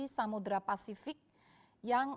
samudera pasifik yang